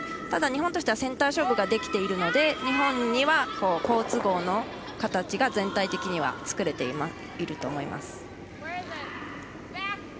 ただ、日本としてはセンター勝負ができているので日本には好都合の形が全体的には作れていると思います。